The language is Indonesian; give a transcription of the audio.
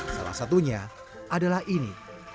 satunya adalah ini